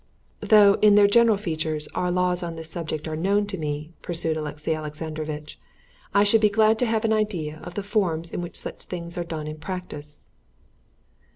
"Though in their general features our laws on this subject are known to me," pursued Alexey Alexandrovitch, "I should be glad to have an idea of the forms in which such things are done in practice."